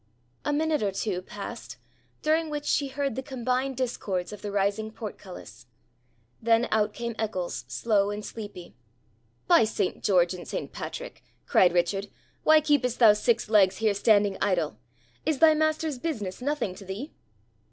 A minute or two passed, during which she heard the combined discords of the rising portcullis. Then out came Eccles, slow and sleepy. 'By St. George and St. Patrick!' cried Richard, 'why keep'st thou six legs here standing idle? Is thy master's business nothing to thee?'